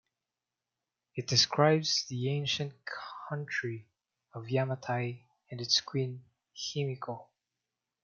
It describes the ancient country of Yamatai and its queen Himiko.